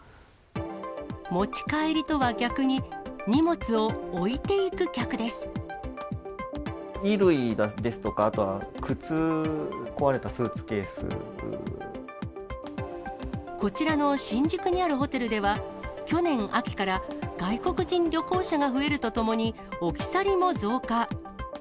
持ち帰りとは逆に、衣類ですとか、あとは靴、こちらの新宿にあるホテルでは、去年秋から、外国人旅行者が増えるとともに、置き去りも増加。